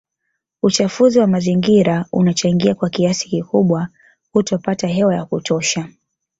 Uchafuzi wa mazingira unachangia kwa kiasi kikubwa kutopata hewa ya kutosha